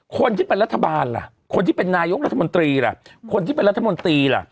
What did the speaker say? คนที่เป็นรัฐบาลล่ะคนที่เป็นนายกรัฐมนตรีล่ะคนที่เป็นรัฐมนตรีล่ะ